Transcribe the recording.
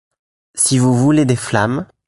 Si vous voulez des flammes